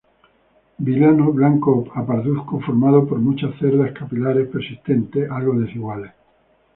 Vilano blanco a parduzco, formado por muchas cerdas capilares, persistentes, algo desiguales.